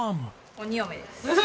鬼嫁です。